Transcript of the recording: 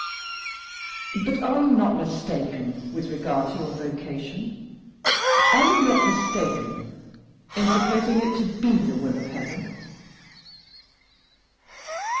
"But are you not mistaken with regard to your vocation, are you not mistaken in supposing it to be the will of Heaven?"